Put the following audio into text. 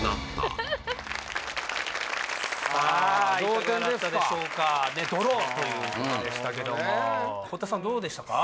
いかがだったでしょうか同点ですかドローということでしたけども堀田さんどうでしたか？